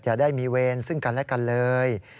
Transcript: จะได้มีเวรซึ่งกันและกันเลย